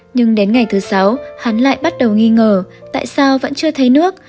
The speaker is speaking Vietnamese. nhưng đến ngày thứ sáu hắn lại bắt đầu nghi ngờ tại sao vẫn chưa thấy nước